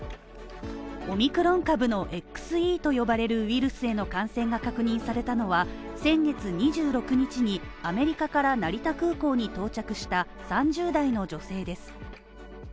オミクロン株のＸＥと呼ばれるウイルスへの感染が確認されたのは先月２６日にアメリカから成田空港に到着した３０代の女性です。